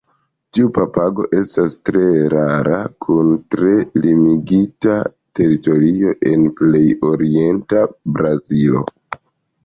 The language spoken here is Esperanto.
Tiu papago estas rara kun tre limigita teritorio en plej orienta Brazilo.